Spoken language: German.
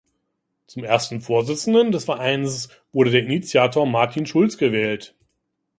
Zum ersten Vorsitzenden des Vereines wurde der Initiator Martin Schulz gewählt.